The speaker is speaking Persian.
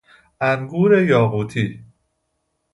انگور یاقوتی